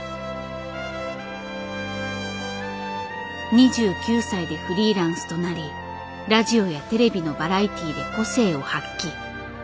２９歳でフリーランスとなりラジオやテレビのバラエティーで個性を発揮。